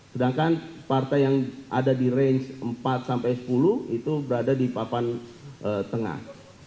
sedangkan partai yang ada di range empat sampai sepuluh itu berada di papan tengah